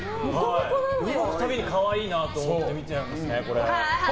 動くたびに可愛いなと思って見ちゃうんですよね。